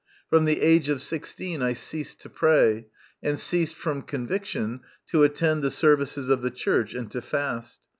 From the age of sixteen I ceased to pray, and ceased, from conviction, to attend the services of the church and to fast.